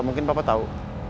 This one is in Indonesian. mungkin papa tau